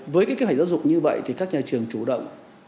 với cái kế hoạch giáo dục như vậy thì các nhà trường chủ động